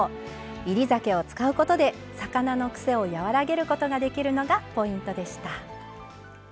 煎り酒を使うことで魚のくせを和らげることができるのがポイントでした。